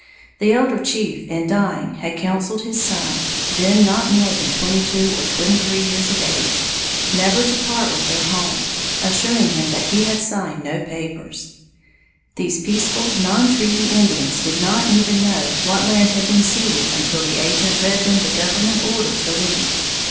The elder chief in dying had counseled his son, then not more than twenty two or twenty three years of age, never to part with their home, assuring him that he had signed no papers. These peaceful non treaty Indians did not even know what land had been ceded until the agent read them the government order to leave.